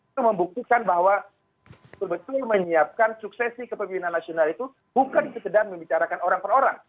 itu membuktikan bahwa betul betul menyiapkan suksesi kepemimpinan nasional itu bukan sekedar membicarakan orang per orang